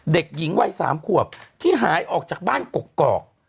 เด็กหญิงวัย๓ขวบที่หายออกจากบ้านกกอก